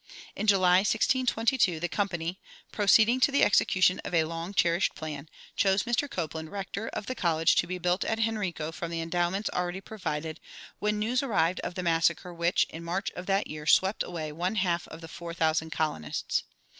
In July, 1622, the Company, proceeding to the execution of a long cherished plan, chose Mr. Copland rector of the college to be built at Henrico from the endowments already provided, when news arrived of the massacre which, in March of that year, swept away one half of the four thousand colonists.